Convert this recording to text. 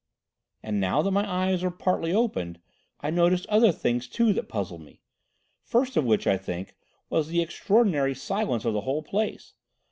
"And, now that my eyes were partly opened, I noticed other things too that puzzled me, first of which, I think, was the extraordinary silence of the whole place.